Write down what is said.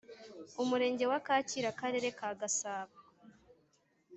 Umurenge wa Kacyiru Akarere ka Gasabo